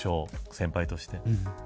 先輩として。